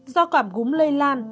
do cảm gúm lây lan